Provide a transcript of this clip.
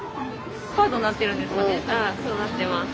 そうなってます。